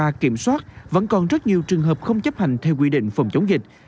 dịch vụ kiểm soát vẫn còn rất nhiều trường hợp không chấp hành theo quy định phòng chống dịch